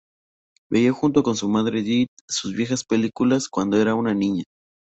Veía junto con su madre Edith sus viejas películas cuando era una niña.